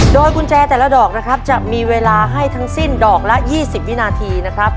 โดยกุญแจแต่ละดอกนะครับจะมีเวลาให้ทั้งสิ้นดอกละ๒๐วินาทีนะครับ